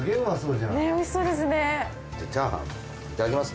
じゃあチャーハンいただきます